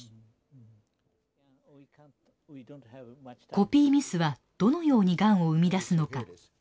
コピーミスはどのようにがんを生み出すのか。